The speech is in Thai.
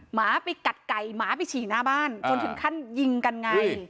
หมาไปกัดไก่หมาไปฉี่หน้าบ้านจนถึงขั้นยิงกันไง